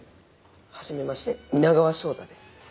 はじめまして皆川翔太です。